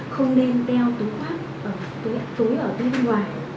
không nên đeo túi khoác túi ở bên ngoài